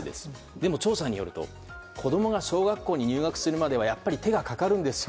でも、調査によると子供が小学校に入学するまではやはり手がかかるんですよ